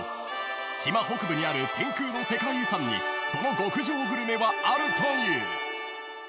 ［島北部にある天空の世界遺産にその極上グルメはあるという］